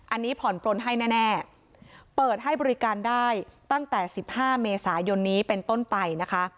อันนี้ผ่อนปลนให้แน่เปิดให้บริการได้ตั้งแต่๑๕เมษายนนี้เป็นต้นไปนะคะ